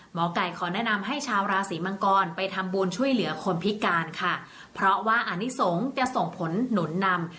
หมอไก่ขอแนะนำให้ชาวราศีมังกรไปทำบุญช่วยเหลือคนพิการค่ะเพราะว่าอนิสงฆ์จะส่งผลหนุนนำ